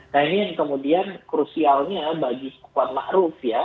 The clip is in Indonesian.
nah ini yang kemudian krusialnya bagi kuat ma'ruf ya